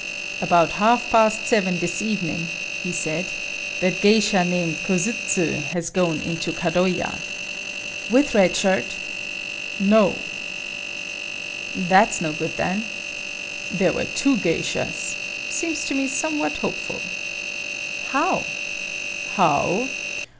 "About half past seven this evening," he said, "that geisha named Kosuzu has gone into Kadoya." "With Red Shirt?" "No." "That's no good then." "There were two geishas……seems to me somewhat hopeful." "How?" "How?